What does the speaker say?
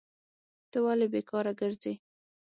ته ولي بیکاره کرځي؟